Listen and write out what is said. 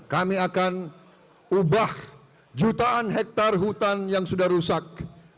kami akan ubah jutaan hektare hutan yang sudah rusak